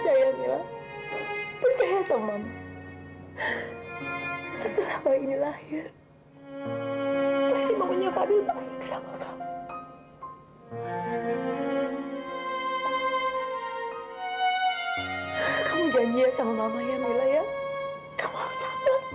apa yang kamu merasakan sekarang adalah semua masalah kamu